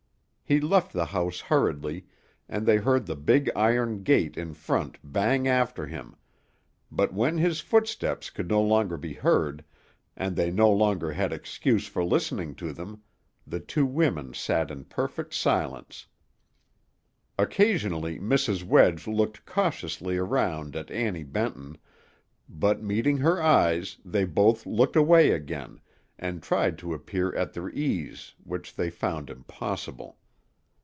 He left the house hurriedly, and they heard the big iron gate in front bang after him, but when his footsteps could no longer be heard, and they no longer had excuse for listening to them, the two women sat in perfect silence. Occasionally Mrs. Wedge looked cautiously around at Annie Benton, but, meeting her eyes, they both looked away again, and tried to appear at their ease, which they found impossible.